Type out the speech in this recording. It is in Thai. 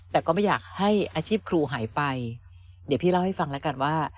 แต่ก็ไม่อยากให้อาชีพครูหายไปเดี๋ยวพี่เล่าให้ฟังแล้วกันว่า